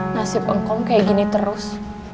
nasib engkong kayak gini terus